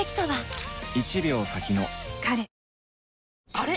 あれ？